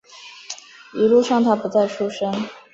一路上他不再出声